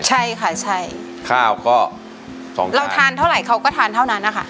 ใช่ค่ะใช่ข้าวก็เราทานเท่าไหร่เขาก็ทานเท่านั้นนะคะ